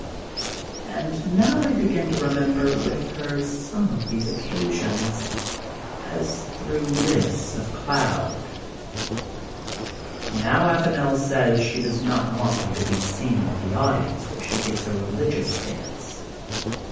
And now I begin to remember with her some of those occasions as through rifts of cloud. Now Avanel saya she does not want me to be seen in the audience where she gives a relig ious dance.